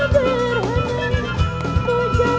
dan pesan sederhana